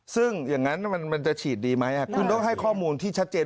ซึ่งอย่างนั้นมันจะฉีดดีไหมคุณต้องให้ข้อมูลที่ชัดเจน